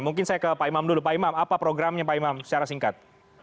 mungkin saya ke pak imam dulu pak imam apa programnya pak imam secara singkat